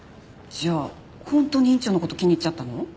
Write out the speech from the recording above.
じゃあ本当に院長の事気に入っちゃったの？